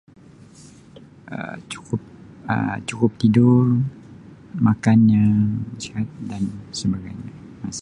Um Cukup Um cukup tidur, makan yang sihat dan sebagainya.